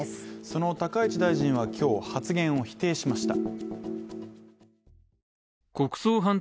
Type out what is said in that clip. その高市大臣は今日、発言を否定しました。